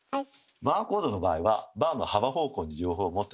バーコードの場合はバーの幅方向に情報を持ってます。